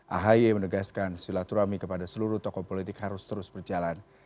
ahy menegaskan silaturahmi kepada seluruh tokoh politik harus terus berjalan